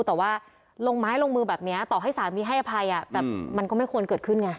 แต่ว่าลงไม้ลงมือแบบนี้ต่อให้สามีให้อภัยแต่มันก็ไม่ควรเกิดขึ้นไง